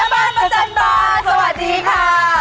ออมสเกาเชยพูดสวัสดีค่ะ